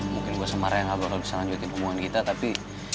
mungkin gue semarang gak bakal bisa lanjutin hubungan kita tapi